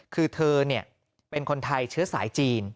คือเธอเป็นคนไทยเชื้อสายจีน